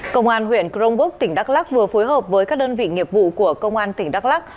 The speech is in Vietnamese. công an huyện crongbuk tỉnh đắk lắc vừa phối hợp với các đơn vị nghiệp vụ của công an tỉnh đắk lắc